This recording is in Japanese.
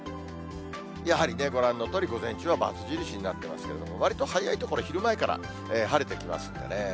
やはりね、ご覧のとおり午前中は×印になってますけど、わりと早い所、昼前から晴れてきますんでね。